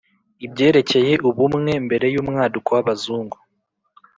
ibyerekeye ubumwe mbere y'umwaduko w'abazungu